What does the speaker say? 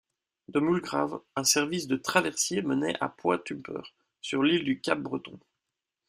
De Mulgrave, un service de traversier menait à Point Tupper sur l'île du Cap-Breton.